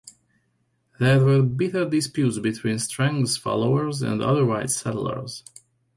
There were bitter disputes between Strang's followers and other white settlers.